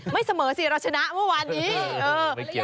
ไม่เสมอสิเราชนะเมื่อวานนี้